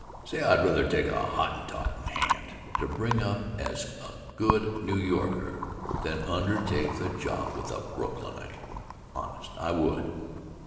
Say, I'd rather take a Hottentot in hand to bring up as a good New Yorker than undertake the job with a Brooklynite. Honest, I would.